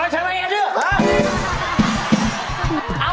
ห้า